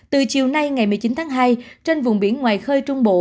từ chiều nay ngày một mươi chín tháng hai trên vùng biển ngoài khơi trung bộ